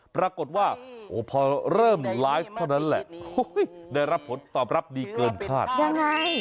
ปรากฏว่าพอเริ่มไลฟ์เท่านั้นแหละได้รับผลตอบรับดีเกินคาดยังไง